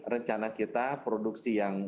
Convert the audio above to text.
rencana kita produksi yang